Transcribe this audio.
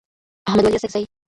احمد ولي اڅکزی